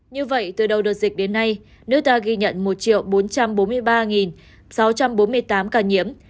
như vậy từ đầu đợt dịch đến nay nước ta ghi nhận một bốn trăm bốn mươi ba sáu trăm bốn mươi tám ca nhiễm